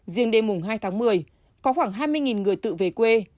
riêng đêm hai tháng một mươi có khoảng hai mươi người tự về quê